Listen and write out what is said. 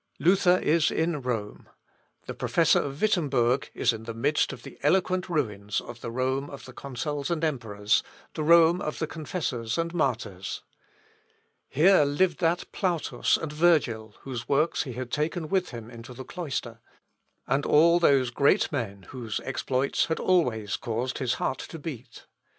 Luther is in Rome; the professor of Wittemberg is in the midst of the eloquent ruins of the Rome of the consuls and emperors the Rome of the confessors and martyrs. Here lived that Plautus and Virgil, whose works he had taken with him into the cloister, and all those great men whose exploits had always caused his heart to beat.